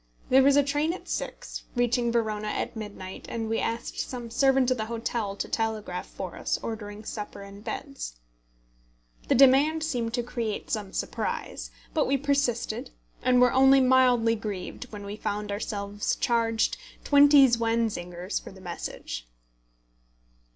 There was a train at six, reaching Verona at midnight, and we asked some servant of the hotel to telegraph for us, ordering supper and beds. The demand seemed to create some surprise; but we persisted, and were only mildly grieved when we found ourselves charged twenty zwanzigers for the message.